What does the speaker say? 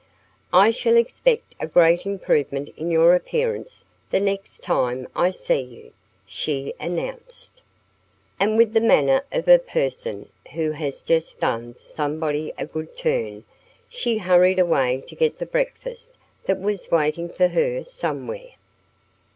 "I shall expect a great improvement in your appearance the next time I see you," she announced. And with the manner of a person who has just done somebody a good turn she hurried away to get the breakfast that was waiting for her, somewhere.